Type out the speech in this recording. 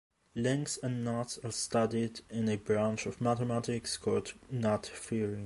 Links and knots are studied in a branch of mathematics called knot theory.